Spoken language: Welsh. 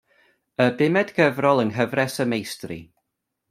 Y bumed gyfrol yng Nghyfres y Meistri.